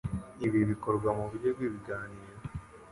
Ibi bikorwa mu buryo bw'ibiganiro.